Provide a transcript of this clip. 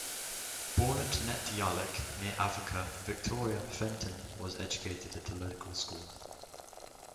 Born at Nette Yallock, near Avoca, Victoria, Fenton was educated at a local school.